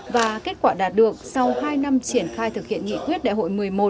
và kết quả đạt được sau hai năm triển khai thực hiện nghị quyết đại hội một mươi một